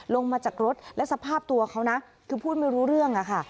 ลงมาจากรถและสภาพตัวเขานะคือพูดไม่รู้เรื่องอะค่ะ